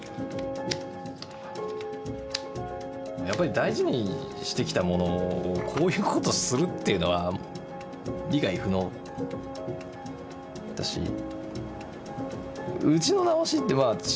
やっぱり大事にしてきたものをこういうことするっていうのは理解不能だし。